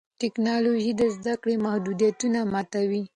ټیکنالوژي د زده کړې محدودیتونه ماتوي.